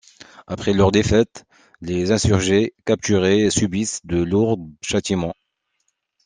Après leur défaite, les insurgés capturés subissent de lourds châtiments.